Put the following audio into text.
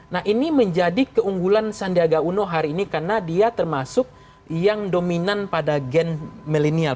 nah ini menjadi keunggulan sandiaga uno hari ini karena dia termasuk yang dominan pada gen milenial